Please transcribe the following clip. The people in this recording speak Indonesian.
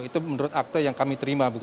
itu menurut akte yang kami terima